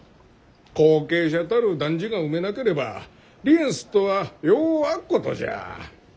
後継者たる男児が産めなければ離縁すっとはようあっことじゃ。